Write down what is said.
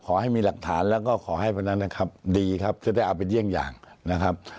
ขอให้มีหลักฐานแล้วก็ขอให้วันนั้นนะครับดีครับจะได้เอาเป็นเยี่ยงอย่างนะครับ